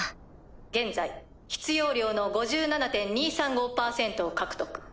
現在必要量の５７．２３５％を獲得。